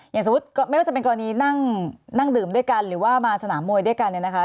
อย่างสมมุติไม่ว่าจะเป็นกรณีนั่งดื่มด้วยกันหรือว่ามาสนามมวยด้วยกันเนี่ยนะคะ